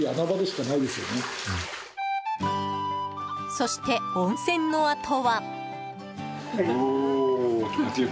そして、温泉のあとは。